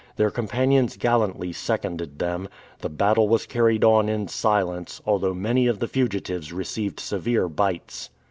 Their companions gallantly seconded them. The battle was carried on in silence, although many of the fugitives received severe bites.